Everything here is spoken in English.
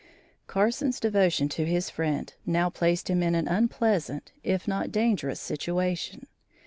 Carson's devotion to his friend now placed him in an unpleasant if not dangerous situation.